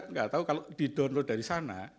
saya enggak tahu kalau didownload dari sana